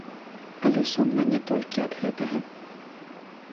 Але сумна не толькі ад гэтага.